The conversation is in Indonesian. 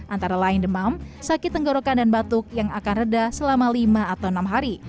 antara lain demam sakit tenggorokan dan batuk yang akan reda selama lima atau enam hari